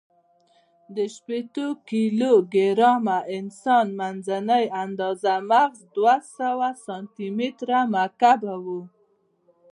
د شپېتو کیلو ګرامه انسان، منځنۍ آندازه مغز دوهسوه سانتي متر مکعب و.